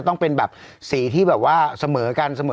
ต้องเป็นแบบสีที่เสมอกัน